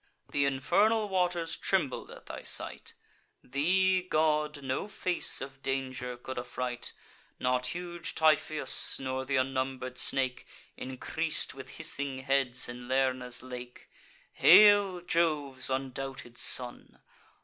Th' infernal waters trembled at thy sight; Thee, god, no face of danger could affright; Not huge Typhoeus, nor th' unnumber'd snake, Increas'd with hissing heads, in Lerna's lake. Hail, Jove's undoubted son!